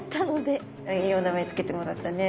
いいお名前付けてもらったね。